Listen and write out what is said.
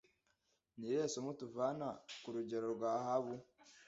Ni irihe somo tuvana ku rugero rwa Ahabu